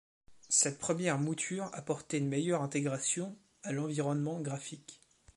Cette première mouture apportait une meilleure intégration à l'environnement graphique.